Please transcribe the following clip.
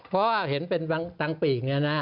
เพราะว่าเห็นเป็นตังปีกอย่างนี้นะ